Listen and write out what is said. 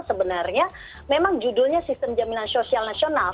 sebenarnya memang judulnya sistem jaminan sosial nasional